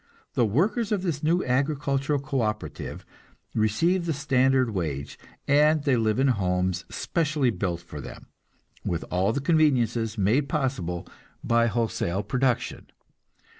The workers of this new agricultural co operative receive the standard wage, and they live in homes specially built for them, with all the conveniences made possible by wholesale production.